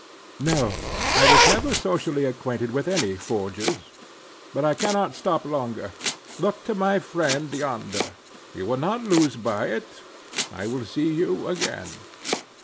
"No, I was never socially acquainted with any forgers. But I cannot stop longer. Look to my friend yonder. You will not lose by it. I will see you again."